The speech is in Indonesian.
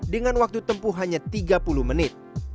dengan waktu tempuh hanya tiga puluh menit